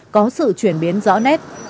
có sự chuyển biến rõ nét